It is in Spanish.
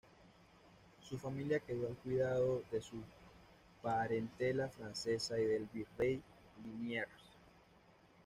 Su familia quedó al cuidado de su parentela francesa y del virrey Liniers.